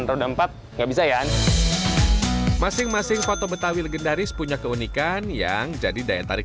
roda empat nggak bisa ya masing masing foto betawi legendaris punya keunikan yang jadi daya tarik